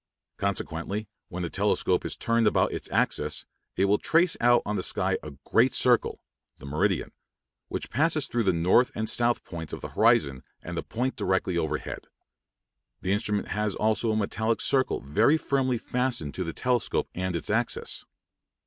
Consequently, when the telescope is turned about its axis, it will trace out on the sky a great circle (the meridian) which passes through the north and south points of the horizon and the point directly overhead. The instrument has also a metallic circle very firmly fastened to the telescope and its axis.